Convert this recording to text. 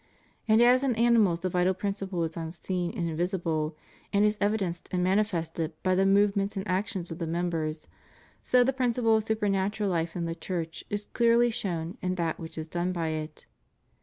And as in animals the vital principle is unseen and invisible, and is evidenced and manifested by the move ments and action of the members, so the principle of supernatural Ufe in the Church is clearly shown in that which is done by it.